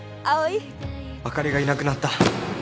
あかりがいなくなった。